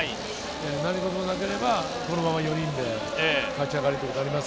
何事もなければこのまま４人で勝ち上がりとなります。